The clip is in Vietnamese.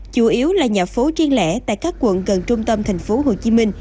chủ yếu là nhà phố triển lẽ tại các quận gần trung tâm thành phố hồ chí minh